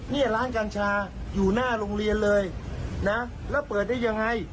นี่ร้านกัญชาอยู่หน้าโรงเรียนเลยนะแล้วเปิดได้ยังไง